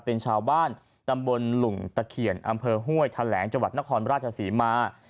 เป็นชาวบ้านตำบลหลุงตะเขียนอำเภอห้วยแถลงจังหวัดนครราชศรีมา